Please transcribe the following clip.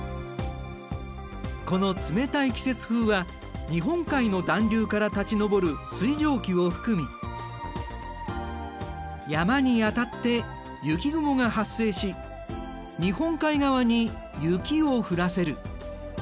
この冷たい季節風は日本海の暖流から立ちのぼる水蒸気を含み山に当たって雪雲が発生し日本海側に雪を降らせる。